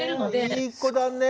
へえいい子だね。